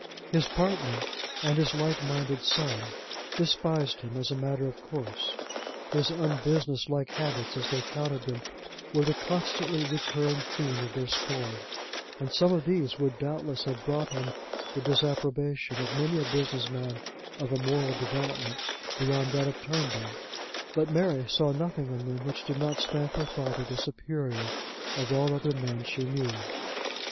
His partner and his like minded son despised him, as a matter of course; his unbusiness like habits, as they counted them, were the constantly recurring theme of their scorn; and some of these would doubtless have brought him the disapprobation of many a business man of a moral development beyond that of Turnbull; but Mary saw nothing in them which did not stamp her father the superior of all other men she knew.